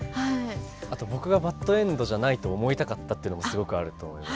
あと僕がバッドエンドじゃないと思いたかったっていうのもすごくあると思います。